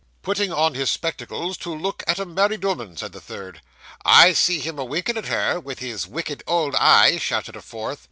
'Putting on his spectacles to look at a married 'ooman!' said a third. 'I see him a winkin' at her, with his wicked old eye,' shouted a fourth.